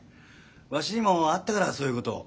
わしにもあったからそういう事。